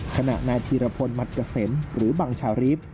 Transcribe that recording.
ขณะนายธีรพลมัตกะเสนหรือบังฉารีฟ